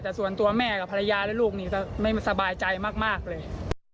แต่ส่วนตัวแม่กับภรรยาและลูกนี่ก็ไม่สบายใจมากเลย